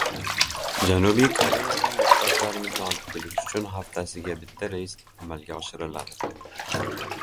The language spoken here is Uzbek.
Janubiy Koreyadan yurtdoshlarimizni olib kelish uchun haftasiga bitta reys amalga oshiriladi